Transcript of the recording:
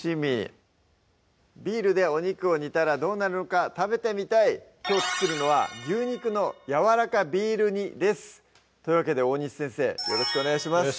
ビールでお肉を煮たらどうなるのか食べてみたいきょう作るのは「牛肉のやわらかビール煮」ですというわけで大西先生よろしくお願いします